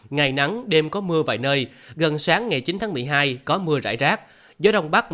ngày nắng đêm có mưa vài nơi gần sáng ngày chín tháng một mươi hai có mưa rải rác